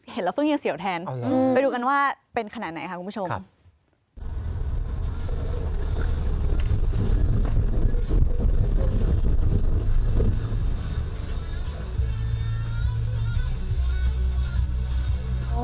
เห็นแล้วเพิ่งยังเสี่ยวแทนไปดูกันว่าเป็นขนาดไหนค่ะคุณผู้ชม